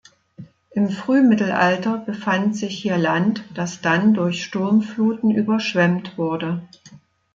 Im Frühmittelalter befand sich hier Land, das dann durch Sturmfluten überschwemmt wurde.